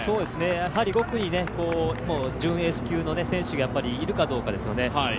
５区に準エース級の選手がいるかどうかですよね。